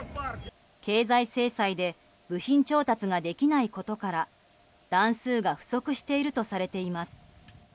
経済制裁で部品調達ができないことから弾数が不足しているとされています。